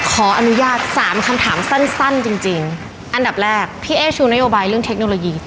ขออนุญาตสามคำถามสั้นสั้นจริงจริงอันดับแรกพี่เอ๊ชูนโยบายเรื่องเทคโนโลยี